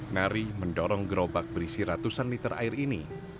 nari mendorong gerobak berisi ratusan liter air ini